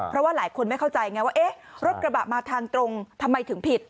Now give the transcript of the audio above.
เพราะว่าหลายคนไม่เข้าใจไงว่าเอ๊ะรถกระบะมาทางตรงทำไมถึงผิด